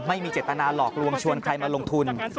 ไม่มีเจตนาหลอกลวงชวนใครมาลงทุน